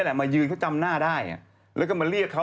กลัวว่าผมจะต้องไปพูดให้ปากคำกับตำรวจยังไง